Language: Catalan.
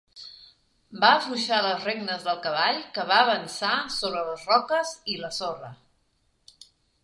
Va afluixar les regnes del cavall, que va avançar sobre les roques i la sorra.